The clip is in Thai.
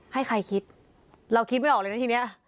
ให้ใครคิดเราคิดไม่ออกเลยนะทีนี้